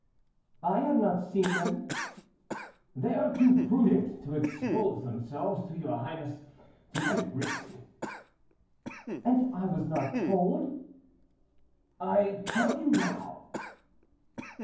"I have not seen them." "They are too prudent to expose themselves or your highness to any risk." "And I was not told!" "I tell you now."